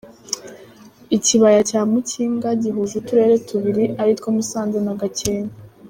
Ikibaya cya Mukinga gihuje Uturere tubiri, aritwo Musanze na Gakenke.